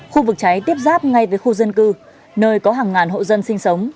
khu vực cháy tiếp ráp ngay với khu dân cư nơi có hàng ngàn hộ dân sinh sống